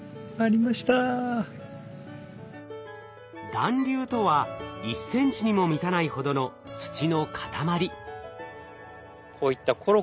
団粒とは１ｃｍにも満たないほどの土の塊。